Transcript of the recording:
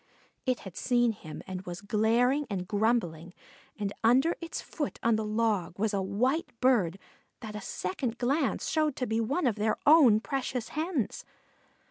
It had seen him and was glaring and grumbling; and under its foot on the log was a white bird that a second glance showed to be one of their own precious hens.